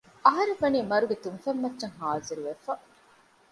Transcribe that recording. އަހަރެންވަނީ މަރުގެ ތުންފަތްމައްޗަށް ހާޒިރުވެފަ